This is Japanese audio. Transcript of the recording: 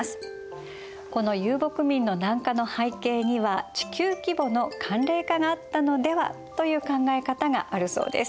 この遊牧民の南下の背景には地球規模の寒冷化があったのではという考え方があるそうです。